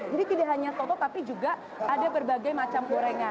tidak hanya soto tapi juga ada berbagai macam gorengan